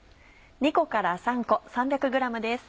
２個から３個３００ｇです。